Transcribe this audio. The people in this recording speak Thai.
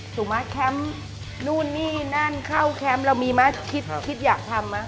ถูกไหมแคมป์นู่นนี่นั่นเข้าแคมป์เรามีไหมคิดคิดอยากทำไหม